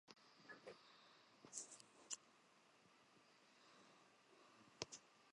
کەی کۆمپیوتەرێکی نوێ دەکڕیت؟